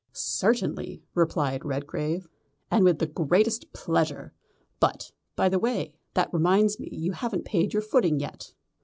"Certainly," replied Redgrave, "and with the greatest pleasure but, by the way, that reminds me you haven't paid your footing yet."